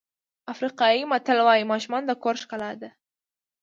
افریقایي متل وایي ماشومان د کور ښکلا ده.